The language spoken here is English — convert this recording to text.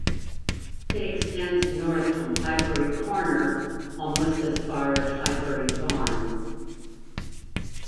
It extends north from Highbury Corner almost as far as Highbury Barn.